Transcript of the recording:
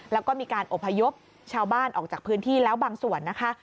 แล้วก็มีการอบพยพชาวบ้านออกจากพื้นที่แล้วบางส่วนนะคะ